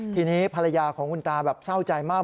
ทีนี้ภรรยาของคุณตาแบบเศร้าใจมาก